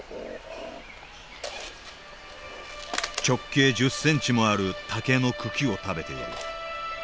直径１０センチもある竹の茎を食べている。